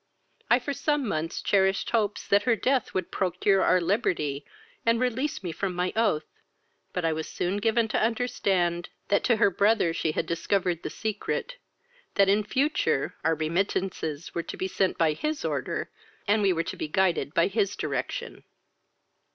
I for some months cherished hopes that her death would procure our liberty, and release me from my oath, but I was soon given to understand, that to her brother she had discovered the secret; that, in future, our remittances were to be sent by his order, and we were to be guided by his direction.